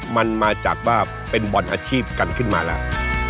มันมาจากว่าเป็นบอลอาชีพกันขึ้นมาแล้ว